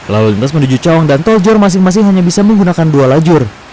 lalu lintas menuju cawang dan tol jor masing masing hanya bisa menggunakan dua lajur